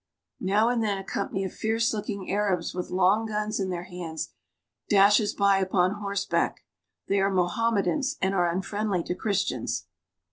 Now and then a company of fierce looking Arabs with long guns in their hands dashes by upon horseback. They are Mohammedans and are un friendly to Christians.